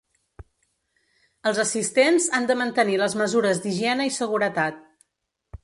Els assistents han de mantenir les mesures d’higiene i seguretat.